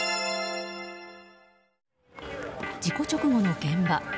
事故直後の現場。